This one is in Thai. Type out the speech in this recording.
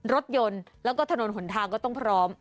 รถยนต์แล้วก็ถนนหนทางก็ต้องพร้อม